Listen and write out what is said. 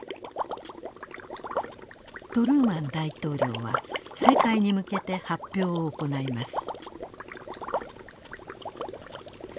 トルーマン大統領は世界に向けて発表を行います。